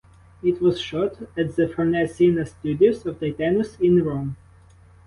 It was shot at the Farnesina Studios of Titanus in Rome.